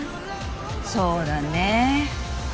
そうだね。